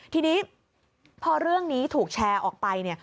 ทีนี้พอเรื่องนี้ถูกแชร์ออกไป